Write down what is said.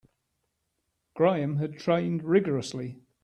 Graham had trained rigourously.